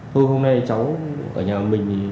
thôi hôm nay cháu ở nhà mình